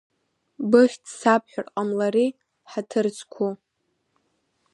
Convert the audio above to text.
Быхьӡ сабҳәар ҟамлари, хаҭыр зқәу?